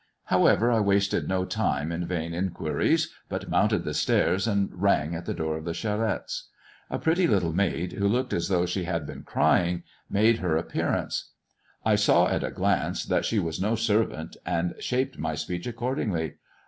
However, I wasted no time in vain inquiries, but mounted the stairs and rang at the door of the Charettes'. A pretty little maid, who looked as though she had been crying, made MY COUSIN FROM FRANCE 888 lier appearance. I saw at a glance that she was no servant, and shaped my speech accordingly.